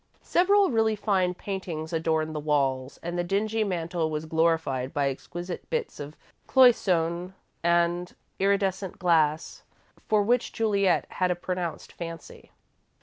Several really fine paintings adorned the walls, and the dingy mantel was glorified by exquisite bits of Cloisonne and iridescent glass, for which Juliet had a pronounced fancy.